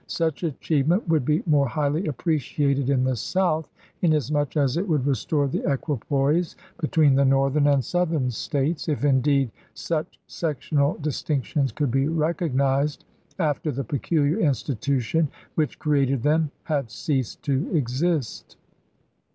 Such achievement would be more highly appreciated in the South, inasmuch as it would restore the equipoise between the Northern and Southern States — if indeed such sectional dis Report. tinctions could be recognized after the peculiar Jan., 1865. institution which created them had ceased to exist.'